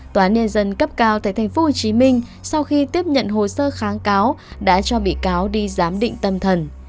tòa án nhân dân cấp cao tại tp hcm sau khi tiếp nhận hồ sơ kháng cáo đã cho bị cáo đi giám định tâm thần